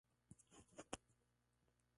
Población: Castro.